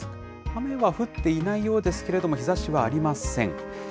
雨は降っていないようですけれども、日ざしはありません。